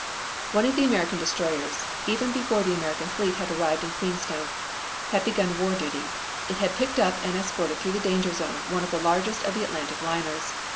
One of the American destroyers, even before the American fleet had arrived at Queenstown, had begun war duty. It had picked up and escorted through the danger zone one of the largest of the Atlantic liners.